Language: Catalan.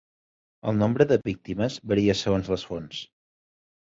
El nombre de les víctimes varia segons les fonts.